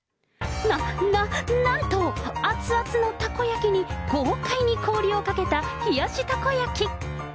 な、な、なんと熱々のたこ焼きに、豪快に氷をかけた、冷やしたこ焼き。